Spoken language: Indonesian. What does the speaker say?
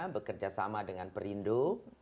bekerjasama dengan perindo